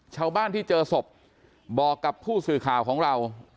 ชาวบ้านที่เจอศพบอกกับผู้สื่อข่าวของเรา